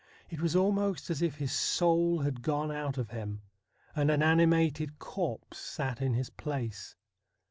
It was almost as if his soul had gone out of him, and an animated corpse sat in his place.